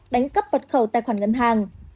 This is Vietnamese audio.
đánh cấp vật khẩu tài khoản ngân hàng